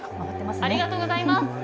ありがとうございます。